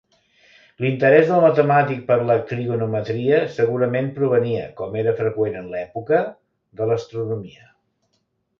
L'interès del matemàtic per la trigonometria segurament provenia, com era freqüent en l'època, de l'astronomia.